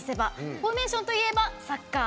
フォーメーションといえばサッカー。